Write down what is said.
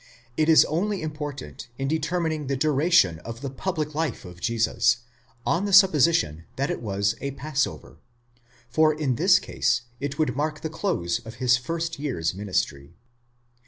It is only important in determining the duration of the public life of Jesus, on the supposition that it was a passover ; for inthis case it would mark the close of his first year's ministry.